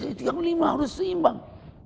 itu yang lima harus seimbang